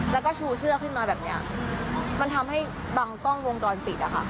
แล้วก็ชูเสื้อขึ้นมาแบบเนี้ยมันทำให้บางกล้องวงจรปิดอะค่ะ